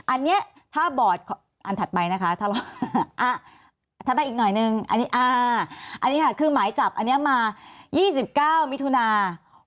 อันนี้ถ้าบอร์ดอันถัดไปนะคะถัดไปอีกหน่อยนึงอันนี้ค่ะคือหมายจับอันนี้มา๒๙มิถุนา